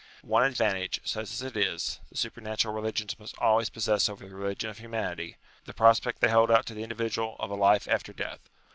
One advantage, such as it is, the supernatural religions must always possess over the Religion of Humanity; the prospect they hold out to the indi vidual of a life after death.